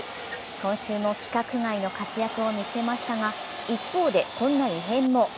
今週も規格外の活躍を見せましたが一方でこんな異変も。